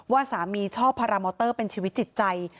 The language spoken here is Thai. ว่าสามีชอบพารามอเตอร์เป็นชีวิตจิตใจ